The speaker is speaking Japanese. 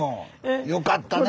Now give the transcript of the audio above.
よかったね